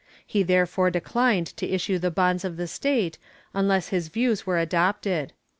He therefore declined to issue the bonds of the state unless his views were adopted.